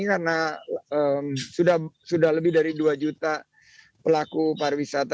karena sudah lebih dari dua juta pelaku pariwisata